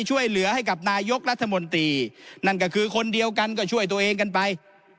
ช่วยเหลือให้กับนายกรัฐมนตรีนั่นก็คือคนเดียวกันก็ช่วยตัวเองกันไป